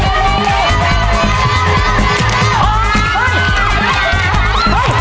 ดอกหนึ่ง